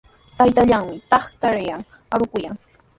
Taytallaami trakratraw arukuykan.